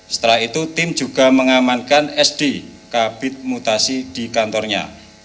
setelah itu tim juga mengamankan sd kabit mutasi di kantornya